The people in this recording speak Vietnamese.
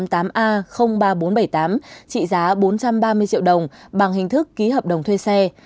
trị giá bốn trăm ba mươi triệu đồng bằng hình thức ký hợp đồng thuê xe